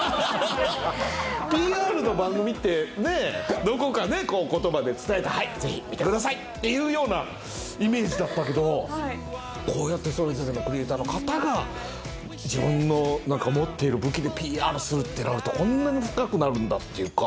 ＰＲの番組ってねぇどこか言葉で伝えて「はいぜひ見てください！」っていうようなイメージだったけどこうやってそれぞれのクリエイターの方が自分の持っている武器でＰＲするってなるとこんなに深くなるんだっていうか。